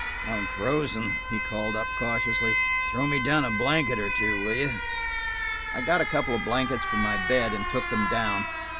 "I'm frozen," he called up cautiously. "Throw me down a blanket or two, will you?" I got a couple of blankets from my bed and took them down.